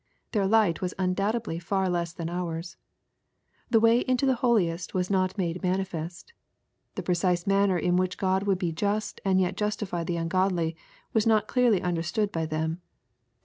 Their light was undoubt edly far le«5 than ours. The way into the holiest was not made manifest The precise manner in which God would be just and yet justify the ungodly, was not clearly understood by them.